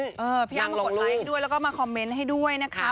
นั่งลงรูปพี่อ้ามมากดไลค์ด้วยแล้วก็มาคอมเมนต์ให้ด้วยนะคะ